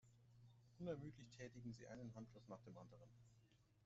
Unermüdlich tätigen sie einen Handgriff nach dem anderen.